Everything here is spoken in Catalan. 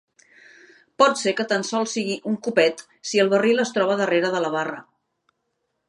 Pot ser que tan sols sigui un copet si el barril es troba darrera de la barra.